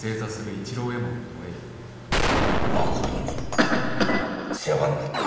まことに世話んなった。